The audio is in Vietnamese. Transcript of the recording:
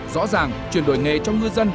rõ ràng chuyển đổi nghề trong ngư dân